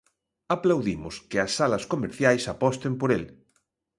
Aplaudimos que as salas comerciais aposten por el.